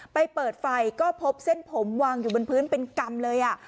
เปิดไฟก็พบเส้นผมวางอยู่บนพื้นเป็นกรรมเลย